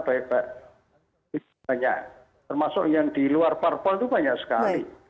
banyak termasuk yang di luar parpol itu banyak sekali